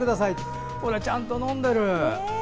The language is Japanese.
ほら、ちゃんと飲んでる。